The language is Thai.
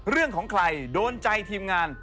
เรื่องของใครโดนใจทีมงาน